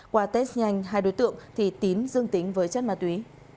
qua test nhanh hai đối tượng thì tín dương tính với chất ma túy